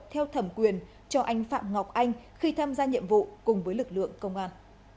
theo thẩm quyền cho anh phạm ngọc anh khi tham gia nhiệm vụ cùng với lực lượng công an